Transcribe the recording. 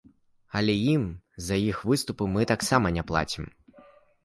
Але ім за іх выступы мы таксама не плацім.